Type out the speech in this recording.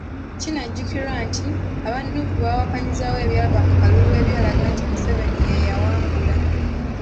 Kinajjukirwa nti, aba Nuupu bawakanyizaawo ebyava mu kalulu ebyalaga nti Museveni ye yawangula .